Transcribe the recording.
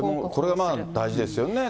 これも大事ですよね。